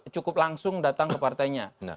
cukup langsung datang ke partainya